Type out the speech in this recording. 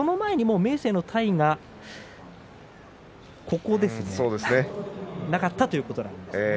明生の体がなかったということですね。